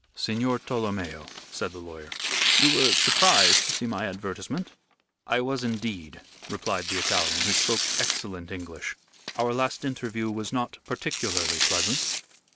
"Signor Tolomeo," said the lawyer, "you were surprised to see my advertisement?" "I was indeed," replied the Italian, who spoke excellent English. "Our last interview was not particularly pleasant."